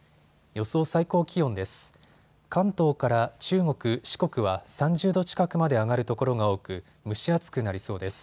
予想最高気温です。